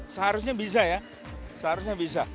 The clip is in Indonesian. seharusnya bisa ya seharusnya bisa